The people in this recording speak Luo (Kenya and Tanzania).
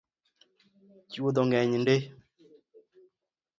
Chwodho ng’eny ndii